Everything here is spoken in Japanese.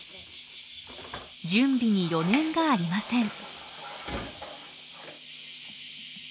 準備に余念がありません。